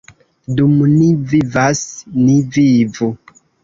Dum ni vivas, ni vivu!